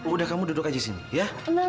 udah kamu duduk aja sini ya